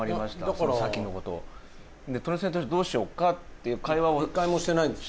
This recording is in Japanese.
その先のことトニセンとしてどうしようかっていう会話を一回もしてないんですよ